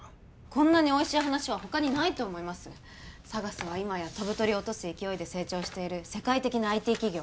こんなにおいしい話は他にないと思いますＳＡＧＡＳは今や飛ぶ鳥落とす勢いで成長している世界的なＩＴ企業